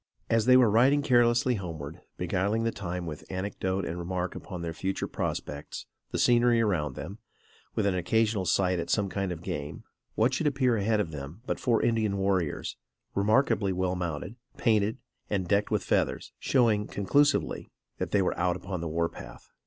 As they were riding carelessly homeward, beguiling the time with anecdote and remark upon their future prospects, the scenery around them, with an occasional sight at some kind of game, what should appear ahead of them but four Indian warriors, remarkably well mounted, painted and decked with feathers, showing, conclusively, that they were out upon the war path.